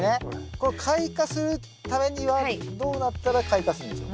こう開花するためにはどうなったら開花するんでしょう？